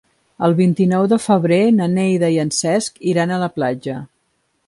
El vint-i-nou de febrer na Neida i en Cesc iran a la platja.